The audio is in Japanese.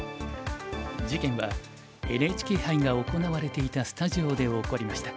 事件はＮＨＫ杯が行われていたスタジオで起こりました。